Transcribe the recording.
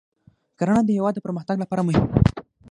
کرنه د هیواد د پرمختګ لپاره مهمه ده.